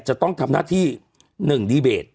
จะต้องทำหน้าที่๑ดีเบต